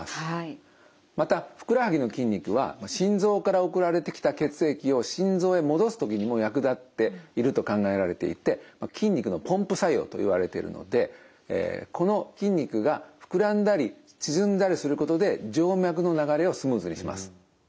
またふくらはぎの筋肉は心臓から送られてきた血液を心臓へ戻す時にも役立っていると考えられていて筋肉のポンプ作用といわれてるのでこの筋肉が膨らんだり縮んだりすることで静脈の流れをスムーズにします。